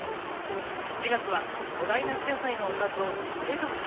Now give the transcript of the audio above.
７月は５大夏野菜のおかずを徹底特集。